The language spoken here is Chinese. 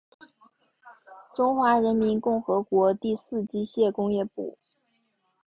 中华人民共和国第四机械工业部。